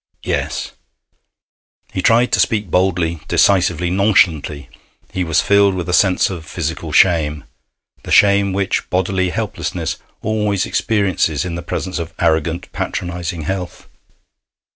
'Yes.' He tried to speak boldly, decisively, nonchalantly. He was filled with a sense of physical shame, the shame which bodily helplessness always experiences in the presence of arrogant, patronizing health.